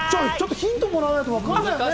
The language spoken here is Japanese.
ヒントもらわないとわからないよね。